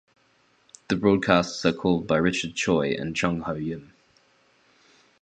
The broadcasts are called by Richard Choi and Chong Ho Yim.